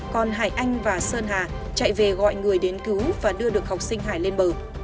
còn hải anh và sơn hà chạy về gọi người đến cứu và đưa được học sinh hải lên bờ